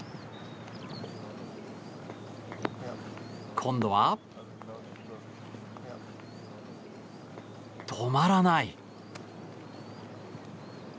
今度は止まらない。